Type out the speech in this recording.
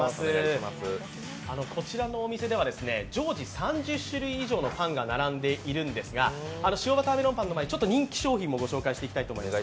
こちらのお店では、常時３０種類以上のパンが並んでいるんですが塩バターメロンパンの前に人気商品もご紹介してまいりたいと思います